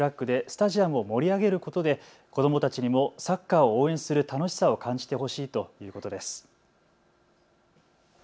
オリジナルのフラッグでスタジアムを盛り上げることで子どもたちにもサッカーを応援する楽しさを感じてほしいということです。